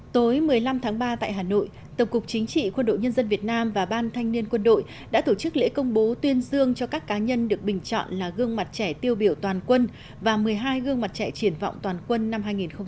tối một mươi năm tháng ba tại hà nội tổng cục chính trị quân đội nhân dân việt nam và ban thanh niên quân đội đã tổ chức lễ công bố tuyên dương cho các cá nhân được bình chọn là gương mặt trẻ tiêu biểu toàn quân và một mươi hai gương mặt trẻ triển vọng toàn quân năm hai nghìn một mươi chín